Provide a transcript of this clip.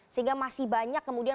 sehingga masih banyak kemudian